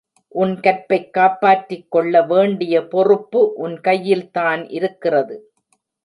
உன் கற்பைக் காப்பாற்றிக்கொள்ள வேண்டிய பொறுப்பு உன் கையில்தான் இருக்கிறது.